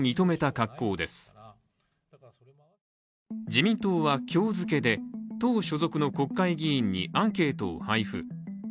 自民党は今日付けで党所属の国会議員にアンケートを配布。